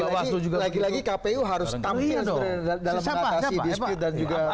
lagi lagi kpu harus tampil sebenarnya dalam mengatasi dispute dan juga